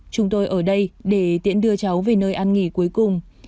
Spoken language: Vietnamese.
chúng tôi ở đây để tiện đưa cháu về nơi ăn nghỉ cuối cùng